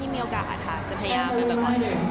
ที่มีโอกาสอาทางจะพยายาม